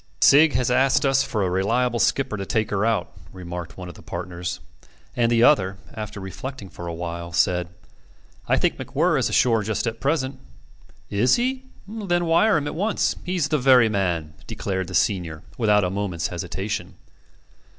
"Sigg has asked us for a reliable skipper to take her out," remarked one of the partners; and the other, after reflecting for a while, said: "I think MacWhirr is ashore just at present." "Is he? Then wire him at once. He's the very man," declared the senior, without a moment's hesitation.